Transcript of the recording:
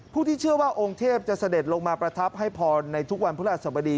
ผู้ที่เชื่อว่าองค์เทพจะเสด็จลงมาประทับให้พรในทุกวันพระราชสมดี